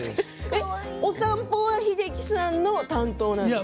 お散歩は英樹さんの担当なんですか。